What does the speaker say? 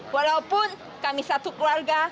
walaupun kami satu keluarga